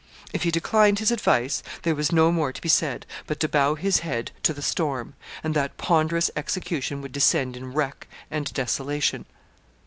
If he declined his advice, there was no more to be said, but to bow his head to the storm, and that ponderous execution would descend in wreck and desolation.